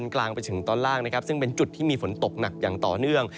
กลางไปถึงตอนล่างนะครับซึ่งเป็นจุดที่มีฝนตกหนักอย่างต่อเนื่อง